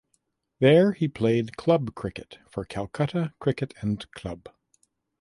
There he played club cricket for Calcutta Cricket and Club.